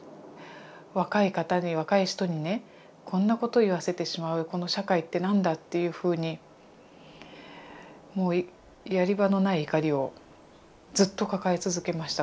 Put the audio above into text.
若い方に若い人にねこんなことを言わせてしまうこの社会って何だ？っていうふうにもうやり場のない怒りをずっと抱え続けました。